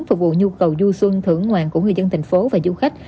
phục vụ nhu cầu du xuân thưởng ngoan của người dân thành phố và du khách